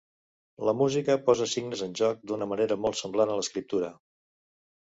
La música posa signes en joc d'una manera molt semblant a l'escriptura.